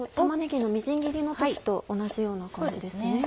玉ねぎのみじん切りの時と同じような感じですね。